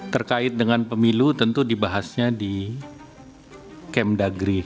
terkait dengan pemilu tentu dibahasnya di kemdagri